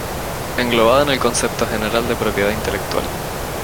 englobado en el concepto general de propiedad intelectual